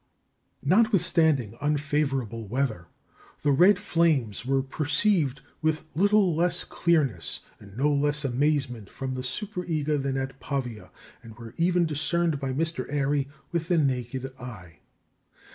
" Notwithstanding unfavourable weather, the "red flames" were perceived with little less clearness and no less amazement from the Superga than at Pavia, and were even discerned by Mr. Airy with the naked eye.